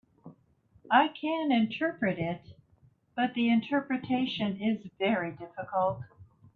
I can interpret it, but the interpretation is very difficult.